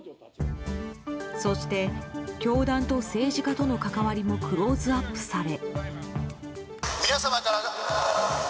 そして教団と政治家との関わりもクローズアップされ。